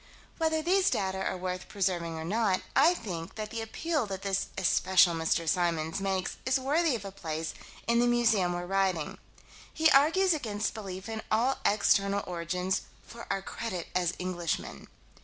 Whether these data are worth preserving or not, I think that the appeal that this especial Mr. Symons makes is worthy of a place in the museum we're writing. He argues against belief in all external origins "for our credit as Englishmen."